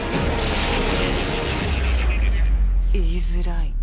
言いづらい。